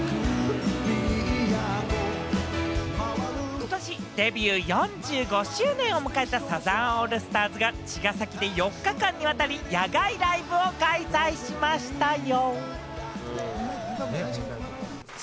ことしデビュー４５周年を迎えたサザンオールスターズが茅ヶ崎で４日間にわたり野外ライブを開催しましたよ！